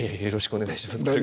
よろしくお願いします